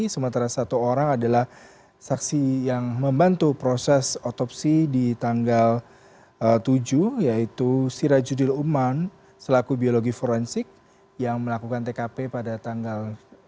sementara satu orang adalah saksi yang membantu proses otopsi di tanggal tujuh yaitu sirajudil uman selaku biologi forensik yang melakukan tkp pada tanggal